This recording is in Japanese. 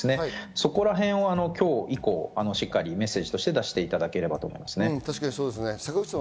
そこらへんを今日以降しっかりメッセージとして出していただけれ坂口さん